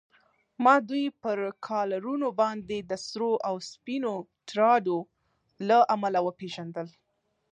ما دوی پر کالرونو باندې د سرو او سپینو ټراډو له امله و پېژندل.